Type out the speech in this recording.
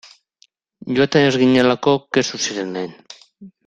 Joaten ez ginelako kexu ziren lehen.